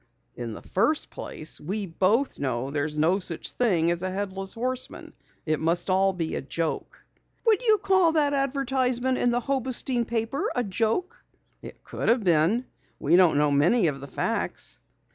"In the first place we both know there's no such thing as a Headless Horseman. It must all be a joke." "Would you call that advertisement in the Hobostein paper a joke?" "It could have been. We don't know many of the facts."